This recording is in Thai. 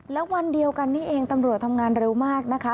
แล้ววันเดียวกันนี่เองตำรวจทำงานเร็วมากนะคะ